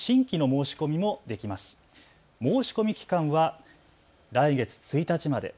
申し込み期間は来月１日まで。